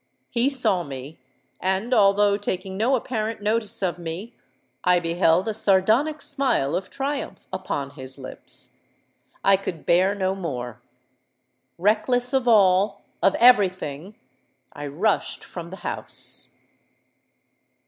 He saw me; and, although taking no apparent notice of me, I beheld a sardonic smile of triumph upon his lips. I could bear no more: reckless of all—of every thing—I rushed from the house.